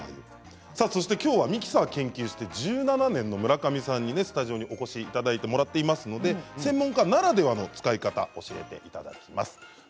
きょうは、ミキサーを研究して１７年の村上さんにスタジオにお越しいただいてもらっていますので専門家ならではの使い方を教えていただきます。